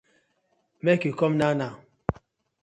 Make you come now now.